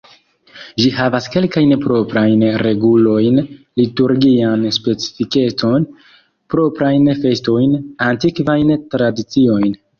Ĝi havas kelkajn proprajn regulojn, liturgian specifikecon, proprajn festojn, antikvajn tradiciojn.